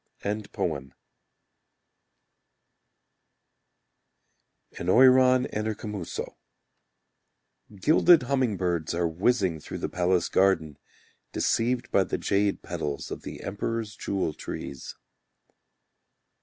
An Oiran and her Kamuso Gilded hummingbirds are whizzing Through the palace garden, Deceived by the jade petals Of the Emperor's jewel trees.